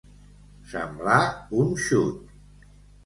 Semblar un xut.